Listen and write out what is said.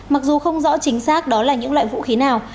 mặc dù không rõ chính xác đó là những loại vũ khí nào